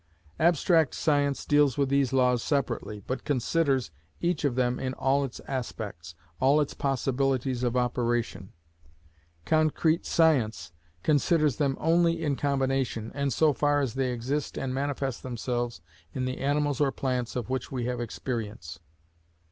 Abstract science deals with these laws separately, but considers each of them in all its aspects, all its possibilities of operation: concrete science considers them only in combination, and so far as they exist and manifest themselves in the animals or plants of which we have experience.